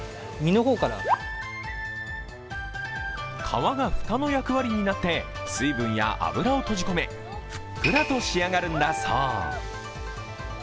皮が蓋の役割になって、水分や脂を閉じ込め、ふっくらと仕上がるんだそう。